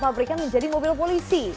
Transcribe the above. pabrikan menjadi mobil polisi